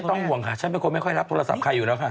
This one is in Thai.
ต้องห่วงค่ะฉันเป็นคนไม่ค่อยรับโทรศัพท์ใครอยู่แล้วค่ะ